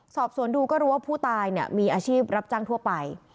สอบสวนดูก็รู้ว่าผู้ตายมีอาชีพรับจ้างทั่วไป